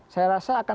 saya rasa akan